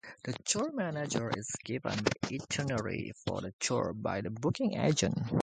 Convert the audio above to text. The tour manager is given the itinerary for the tour by the booking agent.